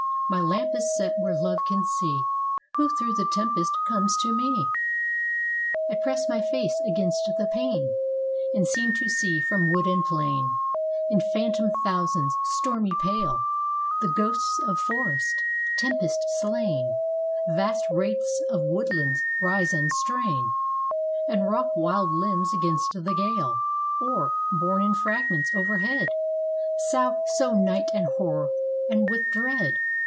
My lamp is set where love can see, Who through the tempest comes to me. I press my face against the pane, And seem to see, from wood and plain, In phantom thousands, stormy pale, The ghosts of forests, tempest slain, Vast wraiths of woodlands, rise and strain And rock wild limbs against the gale; Or, borne in fragments overhead, Sow night with horror and with dread....